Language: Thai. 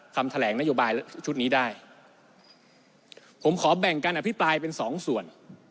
คำแถลงนโยบายชุดนี้ได้ผมขอแบ่งการอภิปรายเป็นสองส่วน